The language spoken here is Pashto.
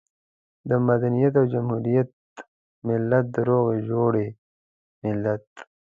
د مدنيت او جمهوريت ملت، د روغې جوړې ملت.